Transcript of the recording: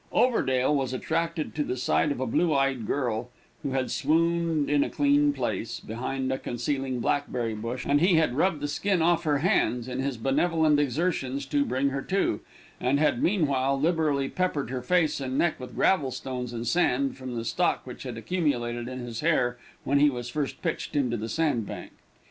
Overdale was attracted to the side of a blue eyed girl, who had swooned in a clean place, behind a concealing blackberry bush, and he had rubbed the skin off her hands in his benevolent exertions to "bring her to," and had meanwhile liberally peppered her face and neck with gravel stones and sand, from the stock which had accumulated in his hair when he was first pitched into the sand bank.